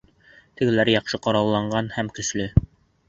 Тегеләр яҡшы ҡоралланған һәм көслө.